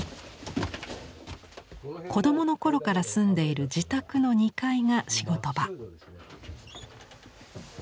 子供の頃から住んでいる自宅の２階が仕事場。